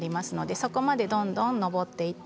そこまでどんどん上っていって